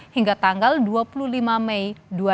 hingga tanggal dua puluh lima mei dua ribu dua puluh